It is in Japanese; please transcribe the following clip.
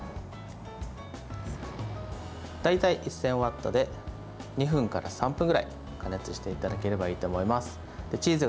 大体１０００ワットで２分から３分ぐらい加熱していただければいいと思います。